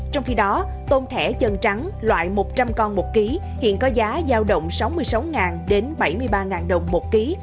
trong khi đó tôm thẻ chân trắng loại một trăm linh con một kg hiện có giá giao động sáu mươi sáu bảy mươi ba đồng một kg